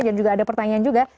dan juga ada pertanyaan juga